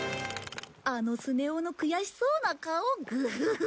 あのスネ夫の悔しそうな顔グフフフ。